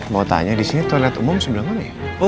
mau tanya disini toilet umum sebelah mana ya